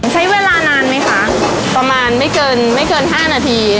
ใช้เวลานานไหมคะประมาณไม่เกินไม่เกิน๕นาที